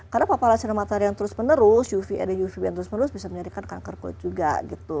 karena papalacina matahari yang terus menerus uv area uvb yang terus menerus bisa menyebabkan kanker kulit juga gitu